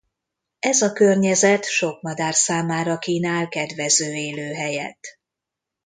Ez a környezet sok madár számára kínál kedvező élőhelyet.